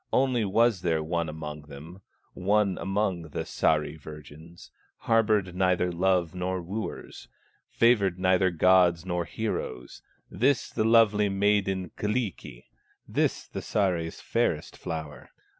Only was there one among them, One among the Sahri virgins, Harbored neither love nor wooers, Favored neither gods nor heroes, This the lovely maid Kyllikki, This the Sahri's fairest flower.